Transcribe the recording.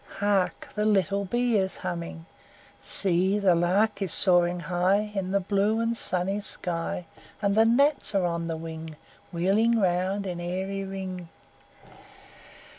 Hark! the little bee is humming; See, the lark is soaring high In the blue and sunny sky; And the gnats are on the wing, Wheeling round in airy ring.